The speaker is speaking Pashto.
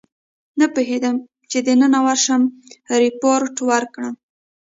نه پوهېدم چې دننه ورشم ریپورټ ورکړم.